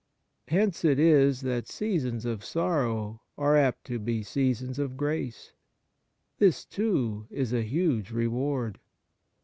Hence it is that seasons of sorrow are apt to be seasons of grace. This, too, is a huge reward.